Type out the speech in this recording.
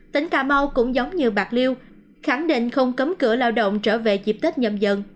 tỉnh cà mau cũng giống như bạc liêu khẳng định không cấm cửa lao động trở về dịp tết nhầm dần